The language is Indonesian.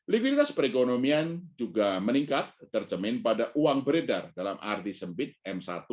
likuiditas perekonomian juga meningkat tercemin pada uang beredar dalam arti sempit m satu